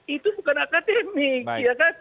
itu bukan akademik